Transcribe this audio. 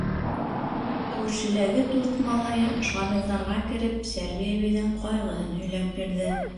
Күршеләге дуҫ малайы Шамилдарға кереп, Сәрби әбейҙең ҡайғыһын һөйләп бирҙе.